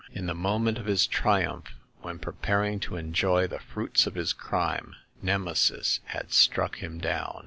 In the moment of his triumph, when preparing to enjoy the fruits of his crime, Nemesis had struck him down.